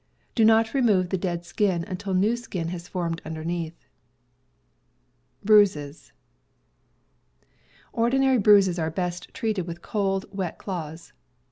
Do not remove the dead skin until new skin has formed underneath. Ordinary bruises are best treated with cold, wet cloths.